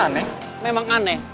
aneh memang aneh